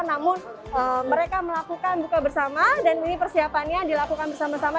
namun mereka melakukan buka bersama dan ini persiapannya dilakukan bersama sama